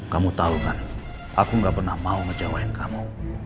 kamu tahu kan aku gak pernah mau ngecewain kamu